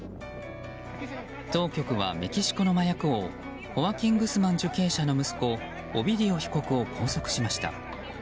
当局はメキシコの麻薬王ホアキン・グスマン受刑者の息子オビディオ被告を拘束しました。